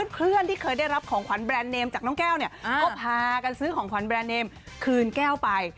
เพื่อนที่เคยได้รับของขวัญแบรนด์เนมจากน้องแก้วเนี่ยก็พากันซื้อของขวัญแบรนดเนมคืนแก้วไป